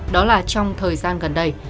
đó là trong thời gian gần đây